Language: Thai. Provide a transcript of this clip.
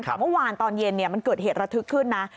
แต่เมื่อวานตอนเย็นมันเกิดเหตุระทึกขึ้นนะ